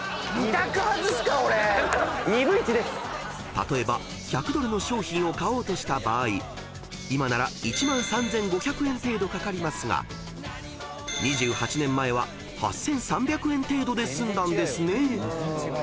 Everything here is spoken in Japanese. ［例えば１００ドルの商品を買おうとした場合今なら１万３，５００円程度かかりますが２８年前は８，３００円程度で済んだんですね］